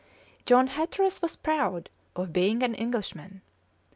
John Hatteras was proud of being an Englishman.